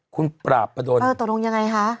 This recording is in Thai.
คุณปราบประดนตรงยังไงคะ